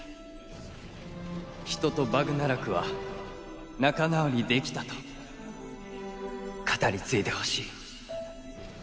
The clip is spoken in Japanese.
人とバグナラクは仲直りできたと語り継いでほしい。